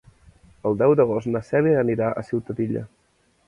El deu d'agost na Cèlia anirà a Ciutadilla.